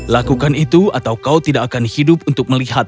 lakukan itu atau kau tidak akan hidup untuk melihat